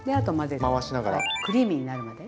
クリーミーになるまで。